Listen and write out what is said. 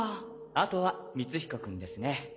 あとは光彦君ですね。